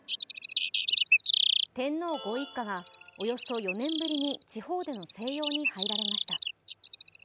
天皇ご一家が、およそ４年ぶりに地方での静養に入られました。